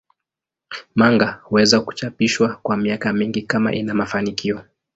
Manga huweza kuchapishwa kwa miaka mingi kama ina mafanikio.